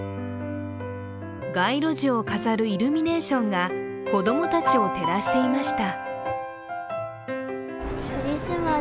街路樹を飾るイルミネーションが子供たちを照らしていました。